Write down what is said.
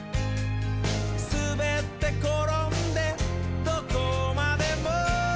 「すべってころんでどこまでも」